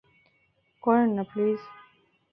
করেন না, প্লিজ।